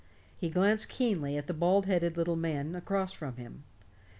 He glanced keenly at the bald headed little man across from him.